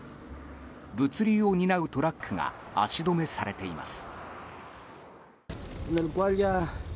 物流を担うトラックが足止めされています。